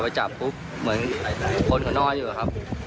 พอไปจับปุ๊บเหมือนคนก็น้อยอยู่ครับ